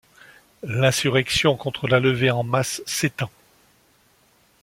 L'insurrection contre la levée en masse s'étend.